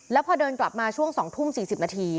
แล้วพอเดินกลับมาช่วง๒ทุ่ม๔๐นาที